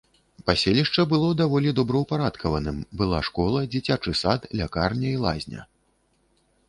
Паселішча было даволі добраўпарадкаваным, была школа, дзіцячы сад, лякарня і лазня.